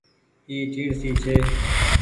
اي ٽيڻسي ڇي۔